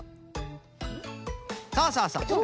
そうそうそう。